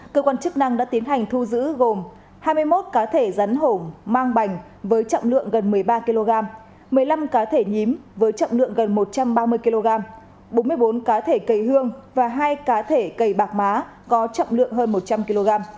cơ quan chức năng đã tiến hành thu giữ gồm hai mươi một cá thể rắn hổ mang với trọng lượng gần một mươi ba kg một mươi năm cá thể nhím với trọng lượng gần một trăm ba mươi kg bốn mươi bốn cá thể cây hương và hai cá thể cây bạc má có trọng lượng hơn một trăm linh kg